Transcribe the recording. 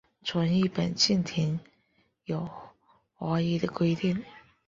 全日本的竞艇有划一的规定。